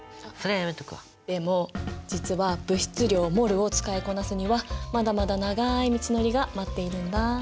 でも実は物質量ｍｏｌを使いこなすにはまだまだ長い道のりが待っているんだ。